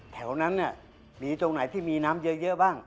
แถวนั้นเนี่ยมีตรงไหนที่มีน้ำเยอะบ้าง